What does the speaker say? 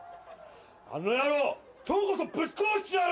あの野郎、今日こそぶち殺してやる！